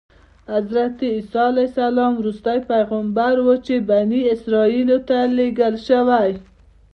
حضرت عیسی علیه السلام وروستی پیغمبر و چې بني اسرایلو ته لېږل شوی.